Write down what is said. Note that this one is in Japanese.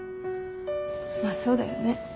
まあそうだよね。